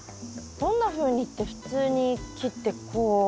どんなふうにって普通に切ってこう。